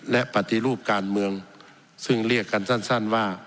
และปฏิรูปการเมืองซึ่งเรียกกันสั้นว่า